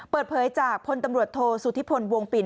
เปิดเผยจากพลตำรวจโทษสุธิพลวงปิ่น